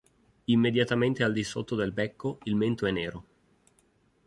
Immediatamente al di sotto del becco, il mento è nero.